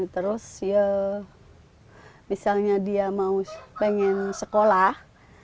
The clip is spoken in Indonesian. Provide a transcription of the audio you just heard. terus ya misalnya dia mau pengen sekolah